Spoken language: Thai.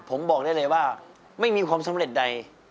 ผมบอกได้เลยว่าไม่มีความสำเร็จใด